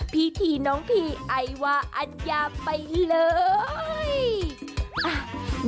พี่น้องพี่ไอวาอัญญาไปเลย